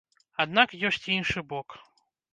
Аднак ёсць іншы бок.